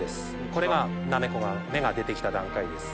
これがなめこの芽が出て来た段階です。